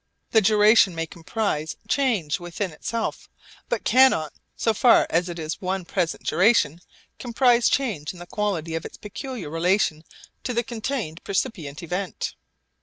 The duration may comprise change within itself, but cannot so far as it is one present duration comprise change in the quality of its peculiar relation to the contained percipient event.